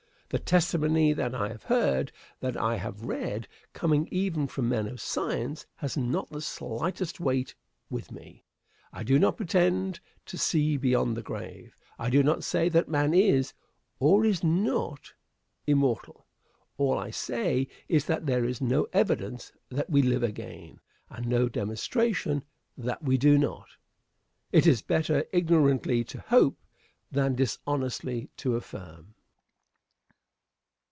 The testimony that I have heard that I have read coming even from men of science has not the slightest weight with me. I do not pretend to see beyond the grave. I do not say that man is, or is not, immortal. All I say is that there is no evidence that we live again, and no demonstration that we do not. It is better ignorantly to hope than dishonestly to affirm.